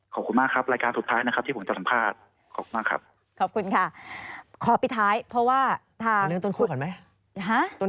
ขอบคุณมากครับรายการสุดท้ายนะครับที่ผมจะสัมภาษณ์